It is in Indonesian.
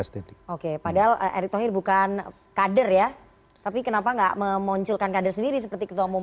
oke padahal erick thohir bukan kader ya tapi kenapa gak memunculkan kader sendiri seperti ketua umum empat puluh